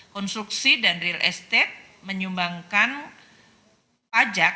konstruksi dan real estate menyumbangkan pajak